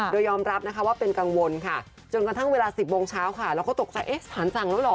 โดยยอมรับนะคะว่าเป็นกังวลค่ะจนกระทั่งเวลา๑๐โมงเช้าค่ะเราก็ตกใจเอ๊ะสถานสั่งแล้วเหรอ